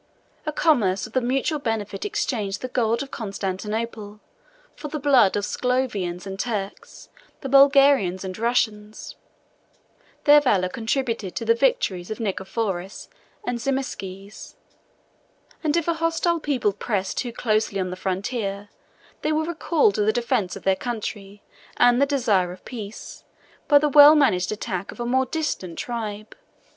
69 A commerce of mutual benefit exchanged the gold of Constantinople for the blood of Sclavonians and Turks, the Bulgarians and Russians: their valor contributed to the victories of Nicephorus and Zimisces; and if a hostile people pressed too closely on the frontier, they were recalled to the defence of their country, and the desire of peace, by the well managed attack of a more distant tribe.